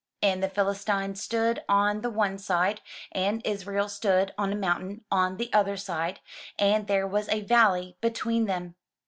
And the Philistines stood on the one side, and Israel stood on a mountain on the other side, and there was a valley between them.